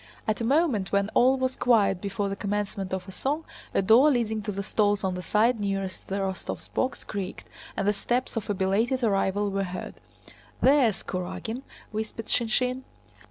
At a moment when all was quiet before the commencement of a song, a door leading to the stalls on the side nearest the Rostóvs' box creaked, and the steps of a belated arrival were heard. "There's Kurágin!" whispered Shinshín.